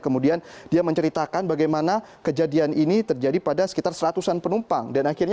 kemudian dia menceritakan bagaimana kejadian ini terjadi pada sekitar seratusan penumpang dan akhirnya